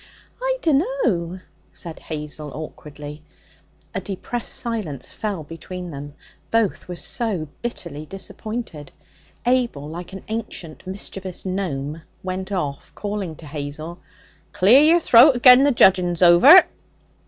'I dunno,' said Hazel, awkwardly. A depressed silence fell between them; both were so bitterly disappointed. Abel, like an ancient mischievous gnome, went off, calling to Hazel: 'Clear your throat agen the judgin's over!'